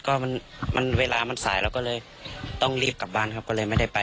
พร้อมรู้ว่าเกิดที่สุดเขลงความทรงของผู้ชาย